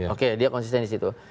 oke dia konsisten disitu